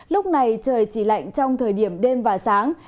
lúc này trời chỉ lạnh trong thời điểm đêm và sáng